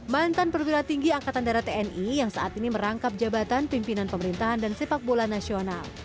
mantan perwira tinggi angkatan darat tni yang saat ini merangkap jabatan pimpinan pemerintahan dan sepak bola nasional